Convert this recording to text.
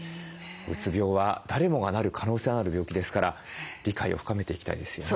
うつ病は誰もがなる可能性がある病気ですから理解を深めていきたいですよね。